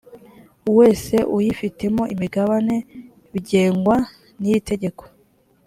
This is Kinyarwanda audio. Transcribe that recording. wese uyifitemo imigabane bigengwa n iri tegeko